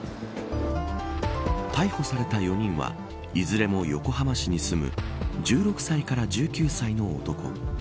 逮捕された４人はいずれも横浜市に住む１６歳から１９歳の男。